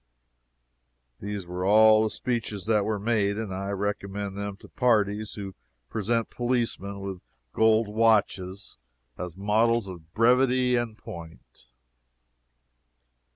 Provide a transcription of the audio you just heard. These were all the speeches that were made, and I recommend them to parties who present policemen with gold watches, as models of brevity and point.